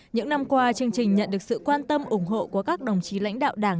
những năm qua chương trình nhận được sự quan tâm ủng hộ của các đồng chí lãnh đạo đảng